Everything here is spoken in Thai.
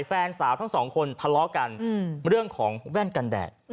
แฟนสาวทั้งสองคนทะเลาะกันเรื่องของแว่นกันแดด